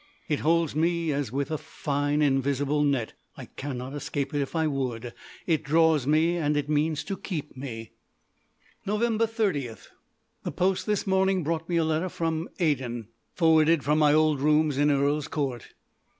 It holds me as with a fine, invisible net. I cannot escape if I would. It draws me, and it means to keep me. Nov. 30. The post this morning brought me a letter from Aden, forwarded from my old rooms in Earl's Court.